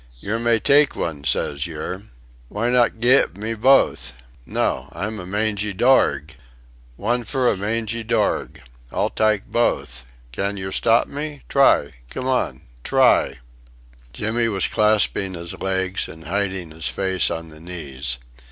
"Yer may take one says yer. Why not giv' me both? No. I'm a mangy dorg. One fur a mangy dorg. I'll tyke both. Can yer stop me? Try. Come on. Try." Jimmy was clasping his legs and hiding his face on the knees.